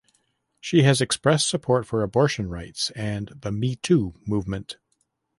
She has expressed support for abortion rights and the Me Too movement.